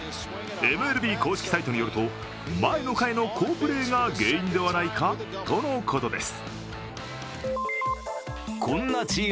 ＭＬＢ公式サイトによると前の回の好プレーが原因ではないかとのことです。